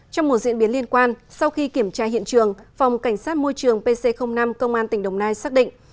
trong một diễn biến liên quan sau khi kiểm tra hiện trường phòng cảnh sát môi trường pc năm công an tỉnh đồng nai xác định